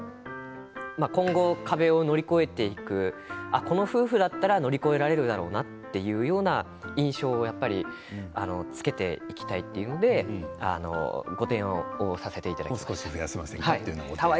今後、壁を乗り越えていくこの夫婦だったら乗り越えられるだろうなというような印象をつけていきたいというのでご提案をさせていただきました。